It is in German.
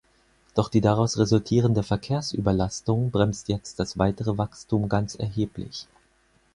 Doch die daraus resultierende Verkehrsüberlastung bremst jetzt das weitere Wachstum ganz erheblich.